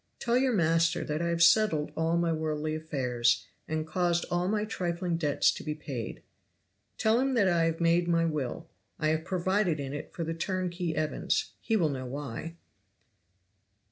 "Tell your master that I have settled all my worldly affairs, and caused all my trifling debts to be paid. "Tell him that I have made my will! (I have provided in it for the turnkey Evans he will know why.)